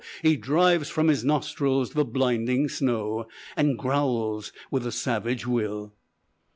He drives from his nostrils the blinding snow, And growls with a savage will."